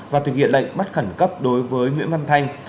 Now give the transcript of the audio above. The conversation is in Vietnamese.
và thực hiện lệnh bắt khẩn cấp đối với nguyễn văn thanh